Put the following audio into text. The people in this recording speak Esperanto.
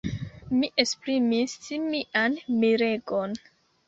Mi esprimis mian miregon.